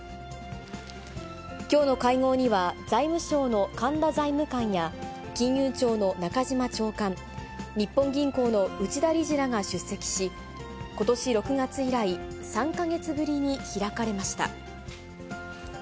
きょうの会合には、財務省の神田財務官や、金融庁の中島長官、日本銀行の内田理事らが出席し、ことし６月以来、３か月ぶりに開かれました。